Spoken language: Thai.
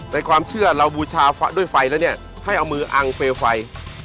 ในความเชื่อเราบูชาด้วยไฟแล้วเนี่ยให้เอามืออังเปลวไฟ